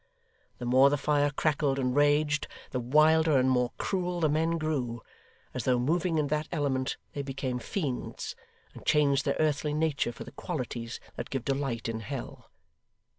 The more the fire crackled and raged, the wilder and more cruel the men grew; as though moving in that element they became fiends, and changed their earthly nature for the qualities that give delight in hell.